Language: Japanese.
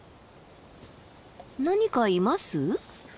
何かいます？